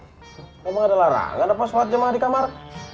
emang ada larangan apa sholat jamaah di kamar